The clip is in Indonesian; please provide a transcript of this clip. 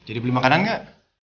jadi beli makanan gak